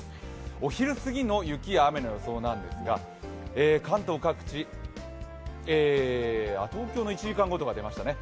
お昼過ぎの雪や雨の予想なんですが東京の１時間ごとが出ましたね。